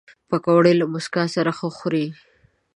پکورې له موسکا سره ښه خوري